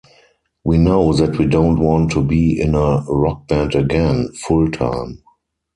We know that we don't want to be in a rock band again, full-time.